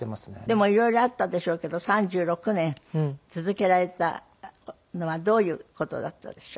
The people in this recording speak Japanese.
でも色々あったでしょうけど３６年続けられたのはどういう事だったでしょう？